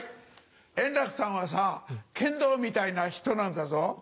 円楽さんはさぁ剣道みたいな人なんだぞ。